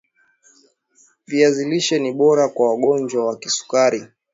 viazi lishe ni bora kwa wagonjwa wa kisukari